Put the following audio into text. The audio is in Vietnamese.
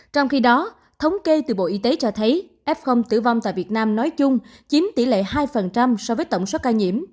trong khi đó thống kê từ bộ y tế cho thấy f tử vong tại việt nam nói chung chiếm tỷ lệ hai so với tổng số ca nhiễm